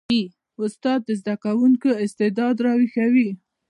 استاد د زده کوونکي استعداد راویښوي.